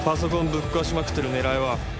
ぶっ壊しまくってる狙いは？